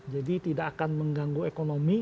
jadi tidak akan mengganggu ekonomi